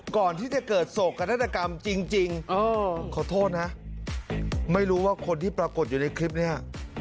ก่อนที่จะเกิดโศกนาฏกรรมจริงขอโทษนะไม่รู้ว่าคนที่ปรากฏอยู่ในคลิปนี้